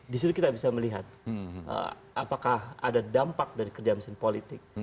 di situ kita bisa melihat apakah ada dampak dari kerja mesin politik